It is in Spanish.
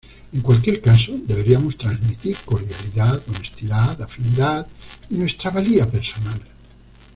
En cualquier caso, deberíamos transmitir cordialidad, honestidad, afinidad y nuestra valía personal.